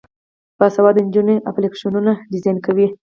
باسواده نجونې اپلیکیشنونه ډیزاین کوي.